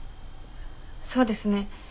そうですね。